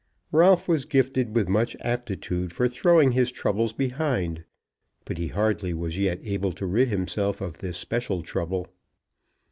Ralph was gifted with much aptitude for throwing his troubles behind, but he hardly was yet able to rid himself of this special trouble.